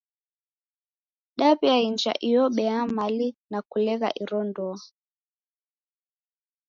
Daw'iainja iyo bea ya mali na kulegha iro ndoa.